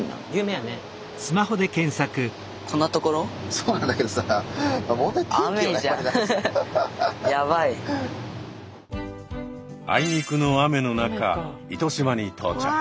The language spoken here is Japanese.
そうなんだけどさあいにくの雨の中糸島に到着。